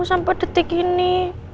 sampai detik ini